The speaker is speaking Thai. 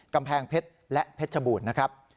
กำแพงเพชรและเพชรบูรณ์นะครับ